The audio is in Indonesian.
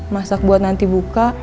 masak buat nanti buka